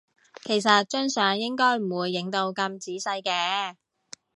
其實張相應該唔會影到咁仔細嘅